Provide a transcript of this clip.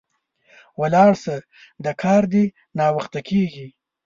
ولاړ سه، د کار دي ناوخته کیږي